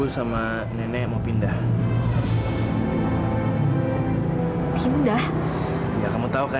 sampai jumpa di video selanjutnya